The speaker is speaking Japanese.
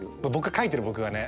書いてる僕がね